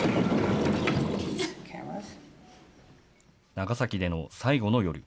長崎での最後の夜。